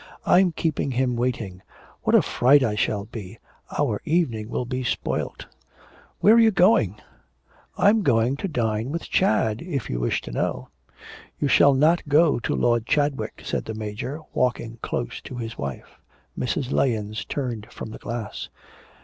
'I'm keeping him waiting. What a fright I shall be! Our evening will be spoilt.' 'Where are you going?' 'I'm going to dine with Chad, if you wish to know.' 'You shall not go to Lord Chadwick,' said the Major, walking close to his wife. Mrs. Lahens turned from the glass.